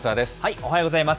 おはようございます。